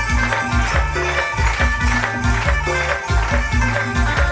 ขึ้นมา๒กว่า๗กว่านะคะ